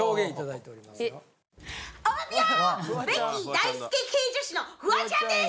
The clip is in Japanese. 大好き系女子のフワちゃんです。